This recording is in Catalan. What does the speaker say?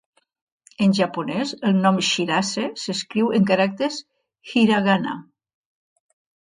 En japonès, el nom "Shirase" s'escriu en caràcters "hiragana".